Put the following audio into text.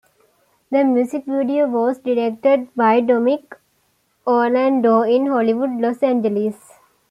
The music video was directed by Dominic Orlando in Hollywood, Los Angeles.